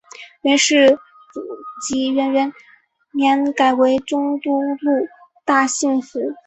元世祖至元元年改为中都路大兴府。